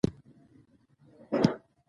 افغانستان له یورانیم ډک دی.